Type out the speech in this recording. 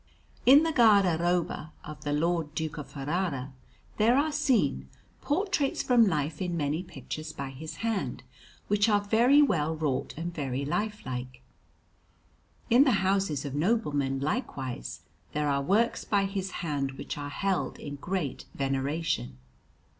In the guardaroba of the Lord Duke of Ferrara there are seen portraits from life in many pictures by his hand, which are very well wrought and very lifelike. In the houses of noblemen, likewise, there are works by his hand which are held in great veneration.